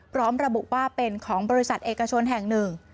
พร้อมระบุว่าเป็นของบริษัทเอกชนแห่งหนึ่ง